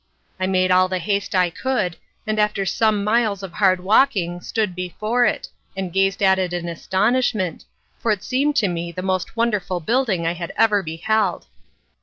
I made all the haste I could, and after some miles of hard walking stood before it, and gazed at it in astonishment, for it seemed to me the most wonderful building I had ever beheld.